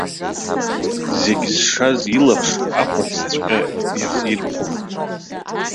Зегь зшаз илаԥш ахәацҵәҟьа иахирԥом.